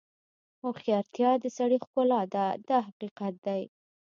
هوښیارتیا د سړي ښکلا ده دا حقیقت دی.